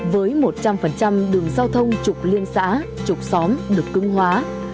với một trăm linh đường giao thông trục liên xã trục xóm được cưng hóa